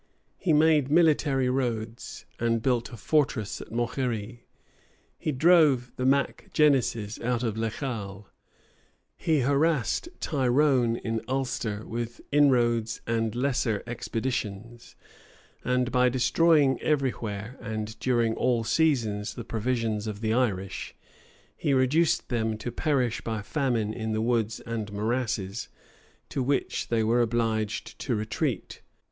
He made military roads, and built a fortress at Moghery; he drove the Mac Genises out of Lecale; he harassed Tyrone in Ulster with inroads and lesser expeditions; and by destroying every where, and during all seasons, the provisions of the Irish, he reduced them to perish by famine in the woods and morasses, to which they were obliged to retreat.